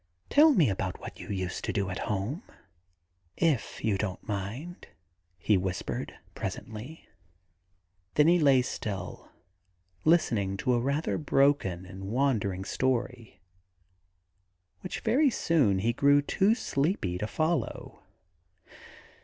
*Tell me about what you used to do at home, if you don't mind,' he whispered presently. Then he lay still, listening to a rather broken and wandering story, which very soon he grew too sleepy to follow.